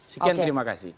sekian terima kasih